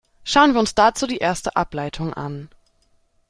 Schauen wir uns dazu die erste Ableitung an.